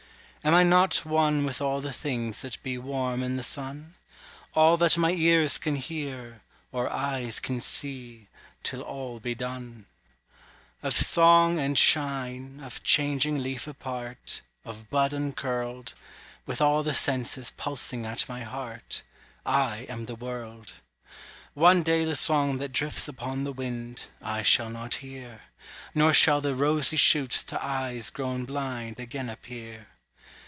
Am I not one with all the things that be Warm in the sun? All that my ears can hear, or eyes can see, Till all be done. Of song and shine, of changing leaf apart, Of bud uncurled: With all the senses pulsing at my heart, I am the world. One day the song that drifts upon the wind, I shall not hear; Nor shall the rosy shoots to eyes grown blind Again appear.